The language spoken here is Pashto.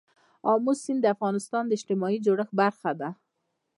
آمو سیند د افغانستان د اجتماعي جوړښت برخه ده.